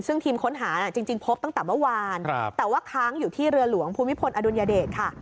ซึ่งทีมค้นหาจริงพบตั้งแต่เมื่อวานแต่ว่าค้างอยู่ที่เรือหลวงภูมิพลอดุลยเดชค่ะ